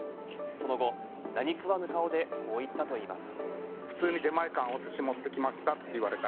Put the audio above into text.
その後、何食わぬ顔でこう言ったといいます。